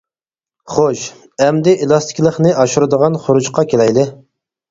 خوش، ئەمدى ئېلاستىكلىقنى ئاشۇرىدىغان خۇرۇچقا كېلەيلى.